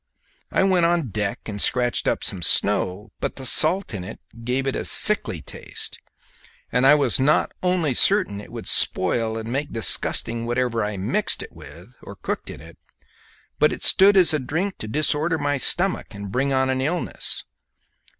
I went on deck and scratched up some snow, but the salt in it gave it a sickly taste, and I was not only certain it would spoil and make disgusting whatever I mixed it with or cooked in it, but it stood as a drink to disorder my stomach and bring on an illness.